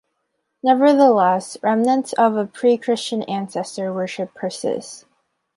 Nevertheless, remnants of a pre-Christian ancestor worship persist.